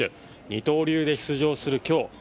二刀流で出場する今日